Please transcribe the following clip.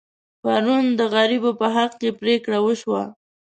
پرون د غریبو په حق کې پرېکړه وشوه.